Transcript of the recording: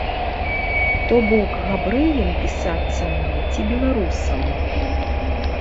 То бок габрэем пісацца мне ці беларусам.